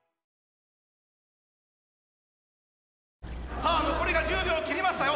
さあ残りが１０秒切りましたよ。